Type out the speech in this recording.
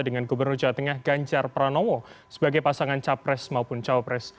dengan gubernur jawa tengah ganjar pranowo sebagai pasangan capres maupun cawapres